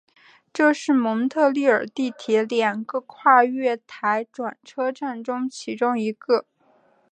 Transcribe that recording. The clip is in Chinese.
这是蒙特利尔地铁两个跨月台转车站中其中一个。